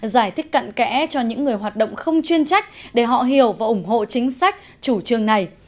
giải thích cận kẽ cho những người hoạt động không chuyên trách để họ hiểu và ủng hộ chính sách chủ trương này